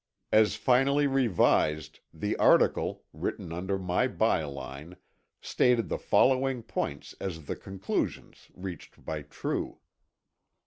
As finally revised, the article, written under my byline, stated the following points as the conclusions reached by True: 1.